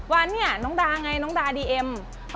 วันนี้น้องดาไงน้องดาดีเอ็ม